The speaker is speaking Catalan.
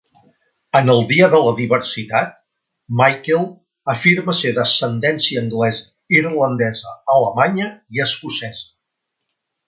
En el "Dia de la Diversitat", Michael afirma ser d'ascendència anglesa, irlandesa, alemanya i escocesa.